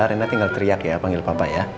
rena tinggal teriak ya panggil papa ya